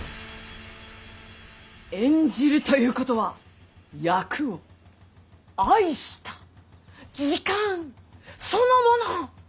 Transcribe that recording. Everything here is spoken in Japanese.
演じるということは役を愛した時間そのもの！